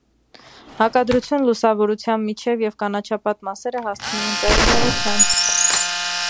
Հակադրություն լուսավորությամ միջև և կանաչապատ մասերը հասցնում են ծայրահեղության։